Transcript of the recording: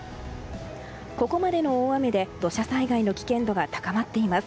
ここまでの大雨で土砂災害の危険度が高まっています。